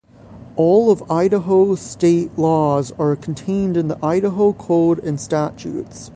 All of Idaho's state laws are contained in the Idaho Code and Statutes.